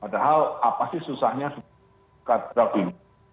padahal apa sih susahnya suka draft ini